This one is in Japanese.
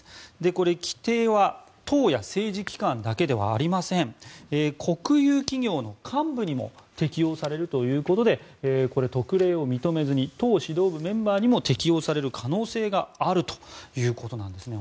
これ、規定は党や政治機関だけではありません国有企業の幹部にも適用されるということでこれ、特例を認めずに党指導部メンバーにも適用される可能性があるということなんですね。